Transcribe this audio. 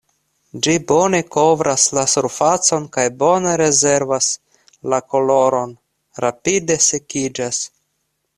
Ĝi bone kovras la surfacon kaj bone rezervas la koloron, rapide sekiĝas.